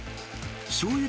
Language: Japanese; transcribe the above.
しょうゆ